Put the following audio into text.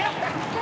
何？